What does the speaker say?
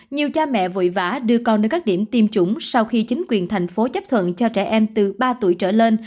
nhiều cha mẹ vội vã đưa con đến các điểm tiêm chủng sau khi chính quyền thành phố chấp thuận cho trẻ em từ ba tuổi trở lên